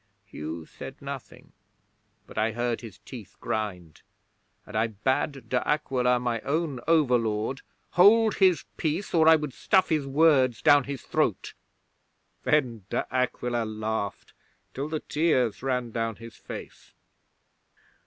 'Hugh said nothing, but I heard his teeth grind, and I bade De Aquila, my own overlord, hold his peace, or I would stuff his words down his throat. Then De Aquila laughed till the tears ran down his face.